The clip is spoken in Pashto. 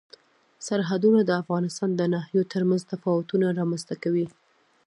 سرحدونه د افغانستان د ناحیو ترمنځ تفاوتونه رامنځ ته کوي.